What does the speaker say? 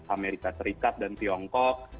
amerika serikat dan tiongkok